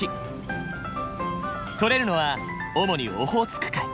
とれるのは主にオホーツク海。